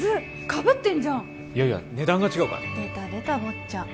かぶってんじゃんいやいや値段が違うからでたでた坊っちゃん